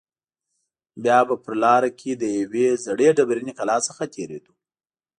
بیا به په لاره کې له یوې زړې ډبرینې کلا څخه تېرېدو.